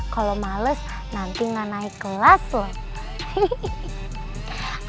kalau males nanti gak naik kelas loh